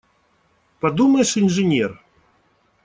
Подумаешь – инженер!